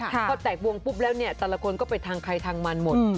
พอแตกวงปุ๊บแล้วเนี่ยแต่ละคนก็ไปทางใครทางมันหมด